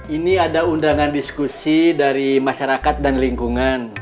ini ada undangan diskusi dari masyarakat dan lingkungan